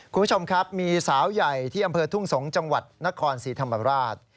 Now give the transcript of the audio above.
คุณผู้ชมครับมีสาวใหญ่ที่อำเภอทุ่งสงศ์จังหวัดนครศรีธรรมราช